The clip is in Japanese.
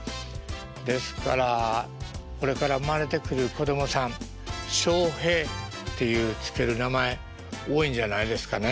ですからこれから生まれてくる子供さん「しょうへい」っていう付ける名前多いんじゃないですかね。